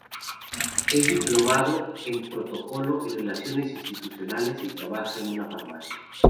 Es diplomado en Protocolo y Relaciones Institucionales y trabaja en una farmacia.